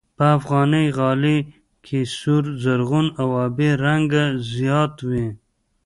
په افغاني غالۍ کې سور، زرغون او آبي رنګ زیات وي.